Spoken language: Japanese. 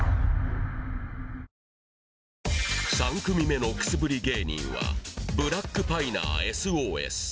３組目のくすぶり芸人はブラックパイナーＳＯＳ